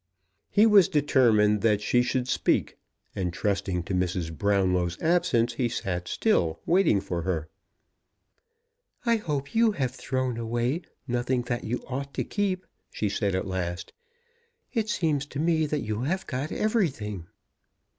He was determined that she should speak, and, trusting to Mrs. Brownlow's absence, he sat still, waiting for her. "I hope you have thrown away nothing that you ought to keep," she said at last. "It seems to me that you have got everything."